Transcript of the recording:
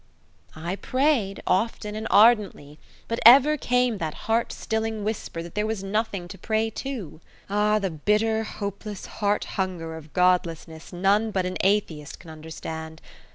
I prayed, often and ardently, but ever came that heart stilling whisper that there was nothing to pray to. Ah, the bitter, hopeless heart hunger of godlessness none but an atheist can understand!